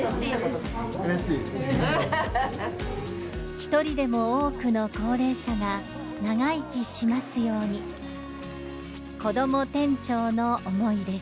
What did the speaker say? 一人でも多くの高齢者が長生きしますように子ども店長の思いです